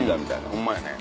ホンマやね。